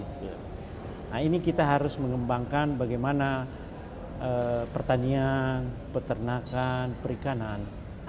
nah ini kita harus mengembangkan bagaimana pertanian peternakan perikanan